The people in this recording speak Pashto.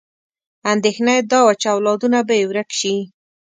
اندېښنه یې دا وه چې اولادونه به یې ورک شي.